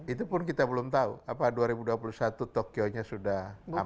itu pun kita belum tahu apa dua ribu dua puluh satu tokyonya sudah aman